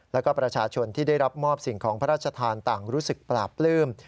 แล้วก็ประชาชนที่ได้รับมอบสิ่งของพระราชทานต่างรู้สึกปลาปลื้ม